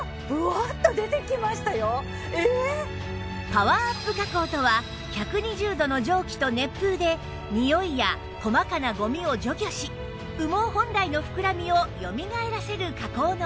パワーアップ加工とは１２０度の蒸気と熱風でにおいや細かなゴミを除去し羽毛本来の膨らみをよみがえらせる加工の事